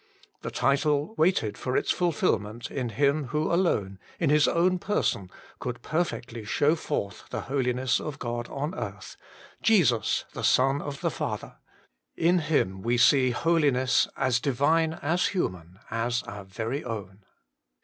The title waited for its fulfilment in Him who alone, in His own person, could perfectly show forth the holiness of God on earth Jesus the Son of the Father. In Him we see holiness, as Divine, as human, as our very own.